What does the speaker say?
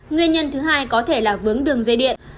nguyên nhân thứ hai có thể là vướng đường dây điện